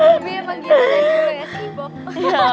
tapi emang gini aja ya sibok